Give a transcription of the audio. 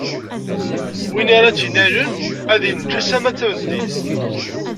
Win ara tt-innalen, ad inǧes alamma d tameddit.